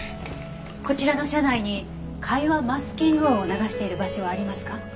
こちらの社内に会話マスキング音を流している場所はありますか？